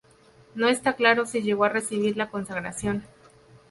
No está claro si llegó a recibir la consagración.